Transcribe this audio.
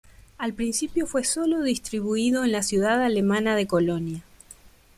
Al principio fue sólo distribuido en la ciudad alemana de Colonia.